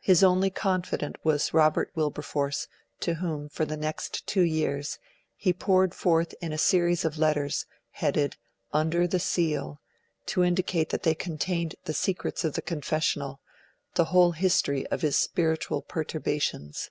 His only confidant was Robert Wilberforce, to whom, for the next two years, he poured forth in a series of letters, headed 'UNDER THE SEAL' to indicate that they contained the secrets of the confessional the whole history of his spiritual perturbations.